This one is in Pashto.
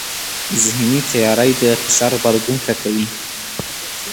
ذهني تیاری د فشار غبرګون ښه کوي.